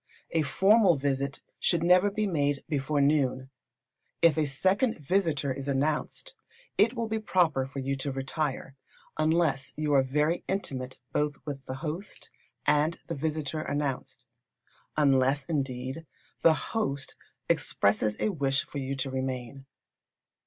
A formal visit should never be made before noon. If a second visitor is announced, it will be proper for you to retire, unless you are very intimate both with the host and the visitor announced; unless, indeed, the host expresses a wish for you to remain.